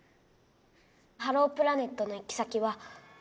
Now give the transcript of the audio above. ハロープラネットの行き先は。